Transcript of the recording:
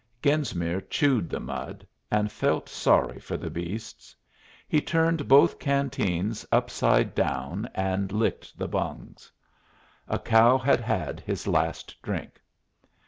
Genesmere chewed the mud, and felt sorry for the beasts. He turned both canteens upside down and licked the bungs. A cow had had his last drink.